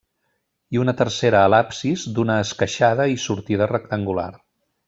I una tercera a l'absis, d'una esqueixada i sortida rectangular.